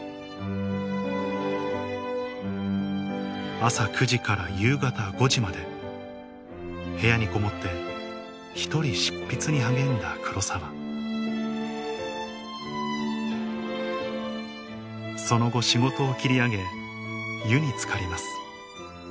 朝９時から夕方５時まで部屋にこもって一人執筆に励んだ黒澤その後仕事を切り上げ湯につかります